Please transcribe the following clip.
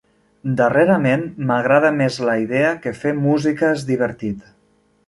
Darrerament m'agrada més la idea que fer música és divertit.